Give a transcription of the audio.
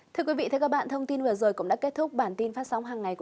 thưa quý vị thưa các bạn thông tin vừa rồi cũng đã kết thúc